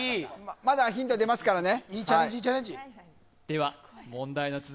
まだヒント出ますからね。